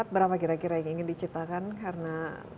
berapa kira kira yang ingin diciptakan karena